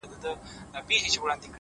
انسان د خپلو پټو انتخابونو نتیجه ده!